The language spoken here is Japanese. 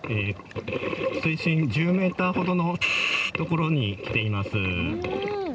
水深１０ｍほどの所に来ています。